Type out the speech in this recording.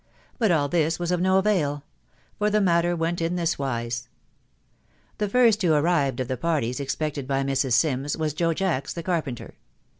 But all this was of no avail .... for the matter went in this wise. The first who arrived of the parties expected by Mrs. Sims, was Joe Jacks the carpenter.